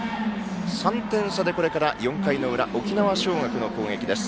３点差で、これから４回の裏沖縄尚学の攻撃です。